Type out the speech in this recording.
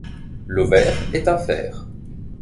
L'ovaire est infère.